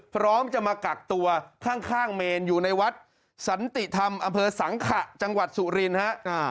พร้อมจะมากักตัวข้างเมนอยู่ในวัดสันติธรรมอำเภอสังขะจังหวัดสุรินทร์ฮะ